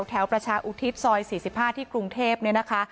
แถวประชาอุทิศซอย๔๕ที่กรุงเทพเนี่ยนะคะ